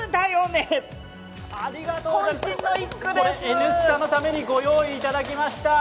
「Ｎスタ」のためにご用意いただきました。